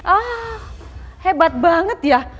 ah hebat banget ya